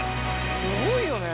すごいよね。